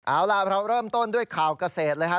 เอาล่ะเราเริ่มต้นด้วยข่าวเกษตรเลยครับ